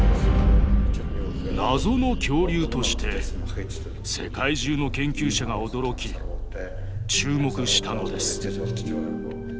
謎の恐竜として世界中の研究者が驚き注目したのです。